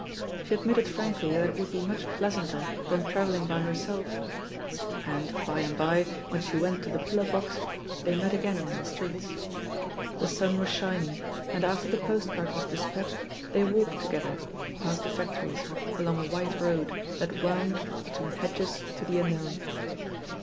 She admitted frankly that it would be much pleasanter than travelling by herself. And, by and by, when she went to the pillar box, 292 THE POSITION OF PEGGY HARPER tbey met again in the streets. The sun was shin ing, and after the postcard was dispatched they walked together, past the factories, along a white road that wound between hedges to the unknown.